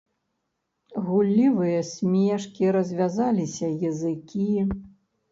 Гуллівыя смешкі, развязаліся языкі.